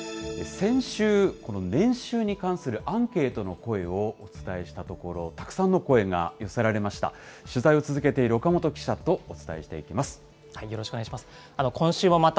先週、年収に関するアンケートの声をお伝えしたところ、たくさんの声が寄せられました。